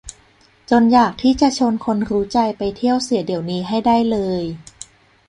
จนอยากที่จะชวนคนรู้ใจไปเที่ยวเสียเดี๋ยวนี้ให้ได้เลย